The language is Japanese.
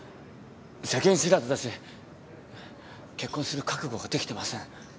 世間知らずだし結婚する覚悟ができてません。